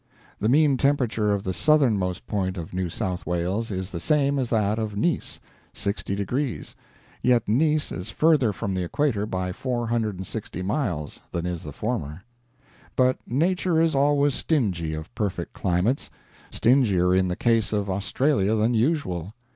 The mean temperature of the southernmost point of New South Wales is the same as that of Nice 60 deg. yet Nice is further from the equator by 460 miles than is the former. But Nature is always stingy of perfect climates; stingier in the case of Australia than usual.